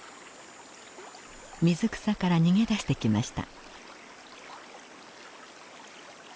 水草から逃げ出してきました。